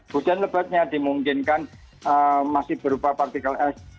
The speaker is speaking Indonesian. hujan lebatnya dimungkinkan masih berupa partikel es